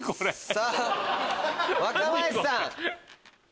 さぁ若林さん。